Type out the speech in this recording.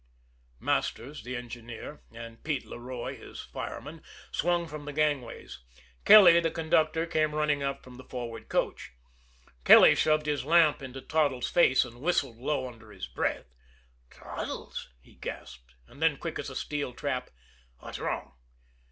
Masters, the engineer, and Pete Leroy, his fireman, swung from the gangways; Kelly, the conductor, came running up from the forward coach. Kelly shoved his lamp into Toddles' face and whistled low under his breath. "Toddles!" he gasped; and then, quick as a steel trap: "What's wrong?"